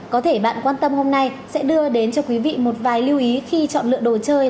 có thể bạn quan tâm hôm nay sẽ đưa đến cho quý vị một vài lưu ý khi chọn lựa đồ chơi